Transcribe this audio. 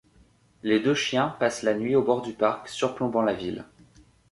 Les deux chiens passent la nuit au bord du parc surplombant la ville.